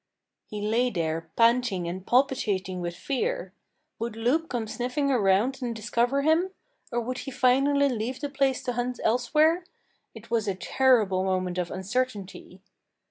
He lay there panting and palpitating with fear. Would Loup come sniffing around and discover him? Or would he finally leave the place to hunt elsewhere? It was a terrible moment of uncertainty.